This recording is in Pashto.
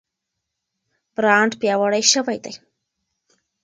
برانډ پیاوړی شوی دی.